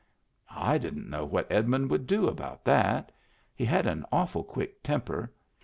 I didn't know what Edmund would do about that. He had an awful quick temper.